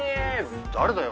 誰だよ？